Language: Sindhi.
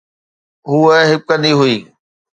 هوءَ هٻڪندي هئي.